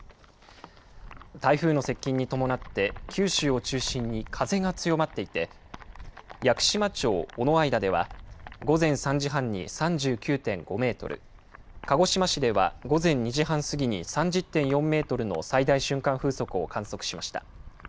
台風の接近に伴って、九州を中心に風が強まっていて、屋久島町尾之間では午前３時半に３９．５メートル、鹿児島市では午前２時半過ぎに３０．４メートルの最大瞬間風速を観測しました。